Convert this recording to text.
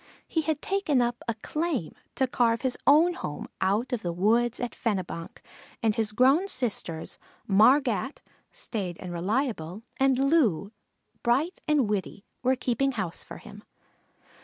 He had taken up a "claim" to carve his own home out of the woods at Fenebonk, and his grown sisters, Margat, staid and reliable, and Loo, bright and witty, were keeping house for him.